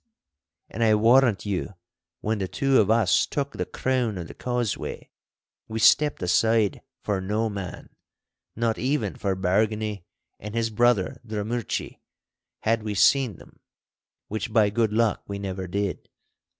And I warrant you when the two of us took the crown of the causeway, we stepped aside for no man, not even for Bargany and his brother Drummurchie had we seen them (which by good luck we never did).